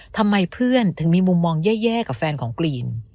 ทำไมเพื่อนถึงมีมุมมองแย่กับแฟนของกรีน